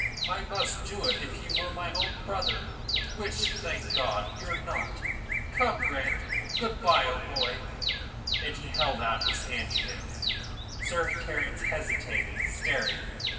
I must do it if you were my own brother, which, thank God, you're not. Come, Grant. Good bye, O'Moy." And he held out his hand to him. Sir Terence hesitated, staring.